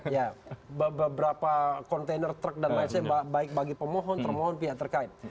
ya beberapa kontainer truk dan lain lain baik bagi pemohon termohon pihak terkait